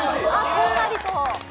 こんがりと。